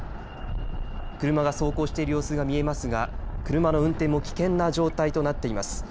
車が走行している様子が見えますが、車の運転も危険な状態となっています。